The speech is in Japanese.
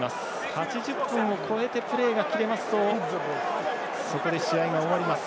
８０分を超えてプレーが切れますとそこで試合が終わります。